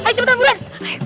ayo cepetan buruan